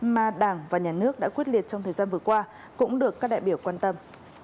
mà đảng và nhà nước đã quyết liệt trong thời gian vừa qua cũng được các đại biểu quan tâm